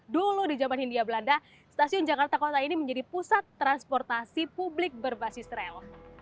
dulu di zaman hindia belanda stasiun jakarta kota ini menjadi pusat transportasi publik berbasis rel